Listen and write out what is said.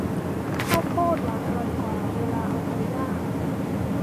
ข้าวโพดหวานอร่อยกว่าเวลาเอาไปย่าง